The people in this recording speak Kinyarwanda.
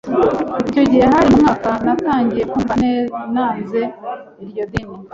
icyo gihe hari mu mwaka natangiye kumva nanze iryo dini